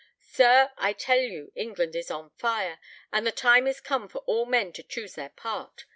Sir, I tell you England is on fire, and the time is come for all men to choose their part.